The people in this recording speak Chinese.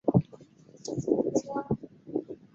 目前同方部作为清华大学校友总会的所在处。